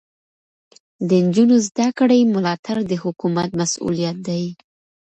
د نجونو زده کړې ملاتړ د حکومت مسؤلیت دی.